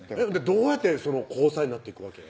どうやって交際になっていくわけ？